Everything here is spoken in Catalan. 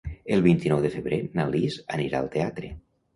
El vint-i-nou de febrer na Lis anirà al teatre.